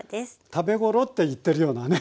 食べ頃って言ってるようなね